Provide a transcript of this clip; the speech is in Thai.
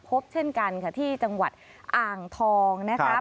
พบเช่นกันค่ะที่จังหวัดอ่างทองนะครับ